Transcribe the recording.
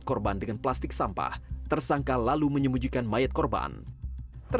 kalau si abang asuhnya ini sangat care